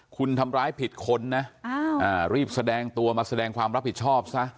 คุณทำร้ายผิดคนนะรีบแสดงตัวมาแสดงความรับผิดชอบซะ